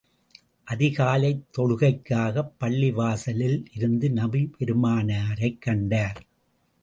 அதிகாலைத் தொழுகைக்காகப் பள்ளிவாசலில் இருந்த நபி பெருமானாரைக் கண்டார்.